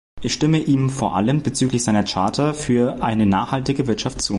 Ich stimme ihm vor allem bezüglich seiner Charta für eine nachhaltige Wirtschaft zu.